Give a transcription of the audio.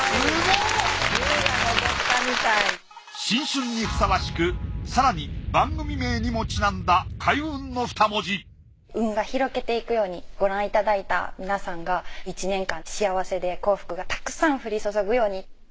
新春にふさわしく更に番組名にもちなんだ開運の二文字ご覧いただいた皆さんが１年間幸せで幸福がたくさん降り注ぐように。